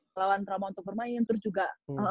melawan trauma untuk bermain terus juga